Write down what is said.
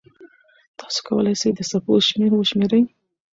تاسو کولای سئ د څپو شمېر وشمېرئ.